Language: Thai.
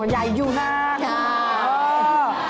ใหญ่อยู่ครับค่ะโอ้โฮค่ะ